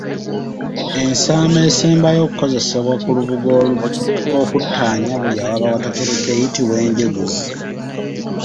Ensaamo esembayo okukozesebwa ku lubugo okuttaanya buli awaba watateredde eyitibwa Enjeguzi.